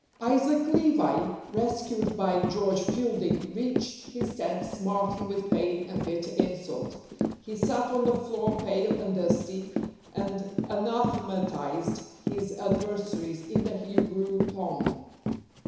ISAAC LEVI, rescued by George Fielding, reached his tent smarting with pain and bitter insult; he sat on the floor pale and dusty, and anathematized his adversaries in the Hebrew tongue.